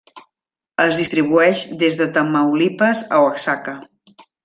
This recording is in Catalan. Es distribueix des de Tamaulipas a Oaxaca.